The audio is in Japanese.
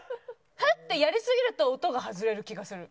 フッ！ってやりすぎると音が外れる気がする。